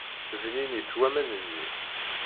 Bninit waman-nni.